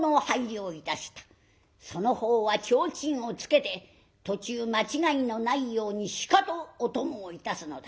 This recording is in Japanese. その方はちょうちんをつけて途中間違いのないようにしかとお供をいたすのだ。